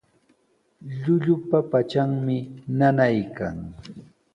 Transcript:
Llullupa patranmi nanaykan.